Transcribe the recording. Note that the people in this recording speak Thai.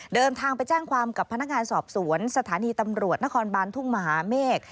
เดินทางไปแจ้งความกับพนักงานสอบสวนสถานีตำรวจนครบานทุ่งมหาเมฆ